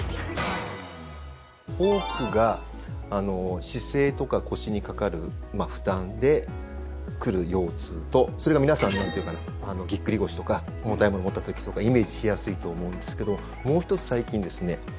多くが、姿勢とか腰にかかる負担で来る腰痛とそれが皆さん、ぎっくり腰とか重たいものを持った時とかイメージしやすいと思うんですけどもう１つ、最近ですね